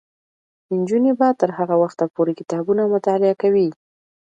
نجونې به تر هغه وخته پورې کتابونه مطالعه کوي.